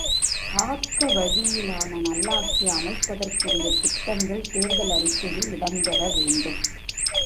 ஆக்கவழியிலான நல்லாட்சி அமைப்ப தற்குரிய திட்டங்கள், தேர்தல் அறிக்கையில் இடம்பெற வேண்டும்.